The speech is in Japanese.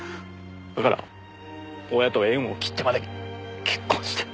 だから親と縁を切ってまで結婚して。